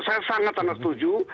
saya sangat sangat setuju